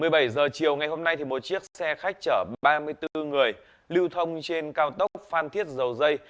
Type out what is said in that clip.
một mươi bảy h chiều ngày hôm nay một chiếc xe khách chở ba mươi bốn người lưu thông trên cao tốc phan thiết dầu dây